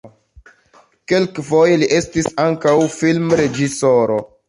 Kelkfoje li estis ankaŭ filmreĝisoro.